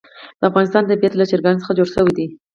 د افغانستان طبیعت له چرګانو څخه جوړ شوی دی.